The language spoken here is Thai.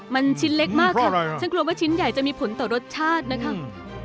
มันชิ้นเล็กมากค่ะฉันกลัวว่าชิ้นใหญ่จะมีผลต่อรสชาตินะคะ